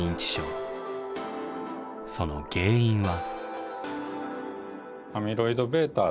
その原因は？